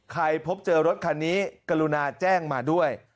พบเจอรถคันนี้กรุณาแจ้งมาด้วย